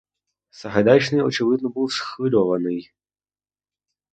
Сагайдачний очевидно був схвильований.